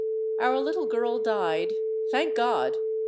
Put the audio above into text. Our little girl died—thank God!